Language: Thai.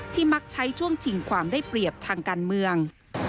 มักใช้ช่วงชิงความได้เปรียบทางการเมือง